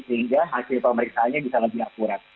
sehingga hasil pemeriksaannya bisa lebih akurat